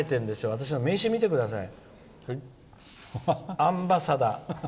私の名刺を見てください。